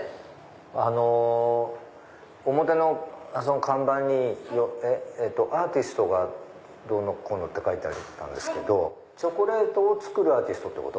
あの表の看板にアーティストがどうのこうのって書いてあったんですけどチョコレートを作るアーティストってこと？